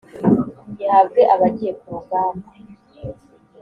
gihabwe abagiye ku rugamba